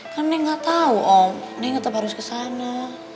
kan neng gak tau om neng tetep harus kesana